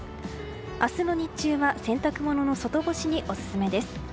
明日の日中は洗濯物の外干しにオススメです。